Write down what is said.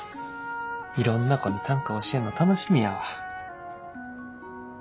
いろんな子に短歌教えんの楽しみやわ。